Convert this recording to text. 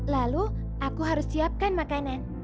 lalu aku harus siapkan makanan